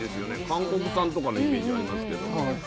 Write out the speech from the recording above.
韓国産とかのイメージありますけど。